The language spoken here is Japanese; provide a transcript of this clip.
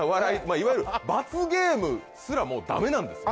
いわゆる罰ゲームすらもうダメなんですよ